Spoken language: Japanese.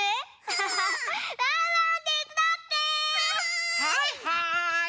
はいはい！